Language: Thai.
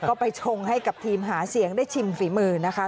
ก็ไปชงให้กับทีมหาเสียงได้ชิมฝีมือนะคะ